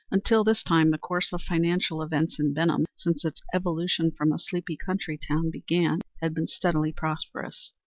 Until this time the course of financial events in Benham since its evolution from a sleepy country town began had been steadily prosperous.